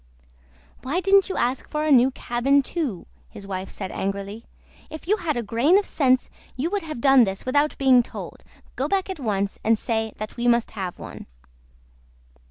"Why didn't you ask for a new cabin too?" his wife said angrily. "If you had had a grain of sense you would have done this without being told. Go back at once, and say that we must have one.